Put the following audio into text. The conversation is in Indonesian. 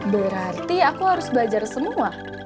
berarti aku harus belajar semua